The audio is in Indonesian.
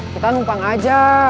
kita numpang aja